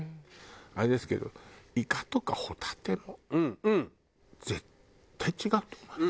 あれですけどイカとかホタテも絶対違うと思いますよ。